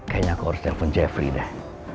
kayaknya aku harus telepon jeffrey deh